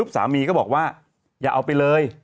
สามีก็บอกว่าอย่าเอาไปเลย